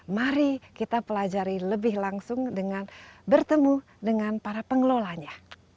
mari kita pelajari lebih langsung dengan bertemu dengan para pengelolanya